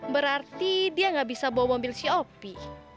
berarti dia gak bisa bawa mobil si opie